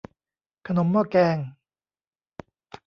ขนมหม้อแกง